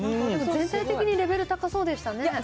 全体的にレベル高そうでしたね。